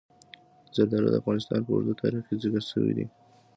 زردالو د افغانستان په اوږده تاریخ کې ذکر شوی دی.